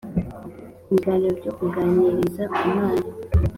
ibiganiro byo kuganiriza umwana.